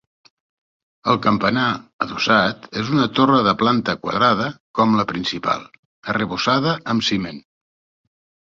El campanar, adossat, és una torre de planta quadrada, com la principal, arrebossada amb ciment.